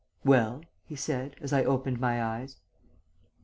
"'Well?' he said, as I opened my eyes.